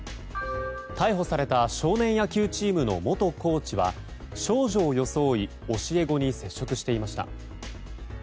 逮捕された少年野球チームの元コーチは少女を装い教え子に接触していました。